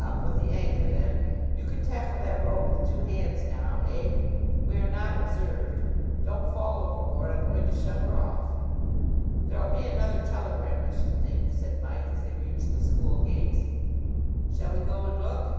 "Up with the anchor, then. You can tackle that rope with two hands now, eh? We are not observed. Don't fall overboard. I'm going to shove her off." "There'll be another telegram, I should think," said Mike, as they reached the school gates. "Shall we go and look?"